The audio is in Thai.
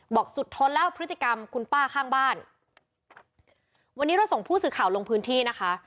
สุดทนแล้วพฤติกรรมคุณป้าข้างบ้านวันนี้เราส่งผู้สื่อข่าวลงพื้นที่นะคะ